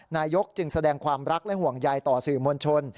นายกจึงแสดงความรักและห่วงใยต่อสื่อมวลชน